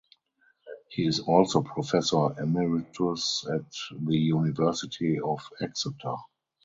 He is also Professor Emeritus at the University of Exeter.